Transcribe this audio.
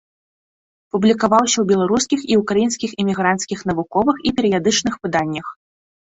Публікаваўся ў беларускіх і ўкраінскіх эмігранцкіх навуковых і перыядычных выданнях.